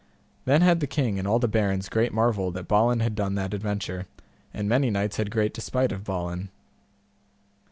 Then had the king and all the barons great marvel that Balin had done that adventure, and many knights had great despite of Balin.